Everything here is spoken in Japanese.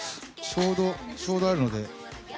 ちょうどあるので。